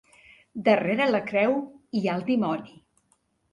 Darrere la creu hi ha el dimoni.